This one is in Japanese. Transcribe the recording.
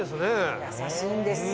優しいんです。